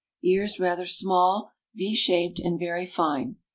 Ears rather small, V shaped, and very fine.